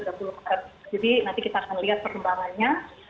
jadi nanti kita akan lihat perkembangannya